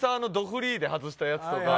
フリーで外したやつとか。